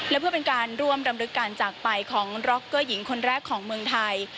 และเพื่อเป็นการร่วมรำลึกการจากไปของร็อกเกอร์หญิงคนแรกของเมืองไทย